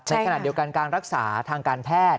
ในขณะเดียวกันการรักษาทางการแพทย์